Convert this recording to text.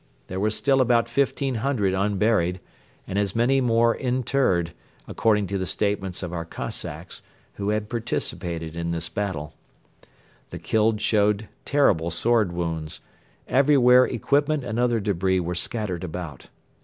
There were still about fifteen hundred unburied and as many more interred, according to the statements of our Cossacks, who had participated in this battle. The killed showed terrible sword wounds; everywhere equipment and other debris were scattered about.